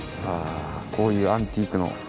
ああこういうアンティークの。